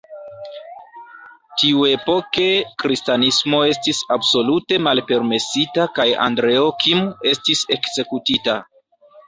Tiuepoke kristanismo estis absolute malpermesita kaj Andreo Kim estis ekzekutita.